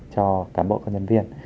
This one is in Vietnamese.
cho cả mỗi nhân viên